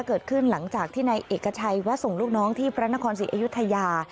เกิดขึ้นหลังจากที่นายเอกชัยแวะส่งลูกน้องที่พระนครศรีอยุธยา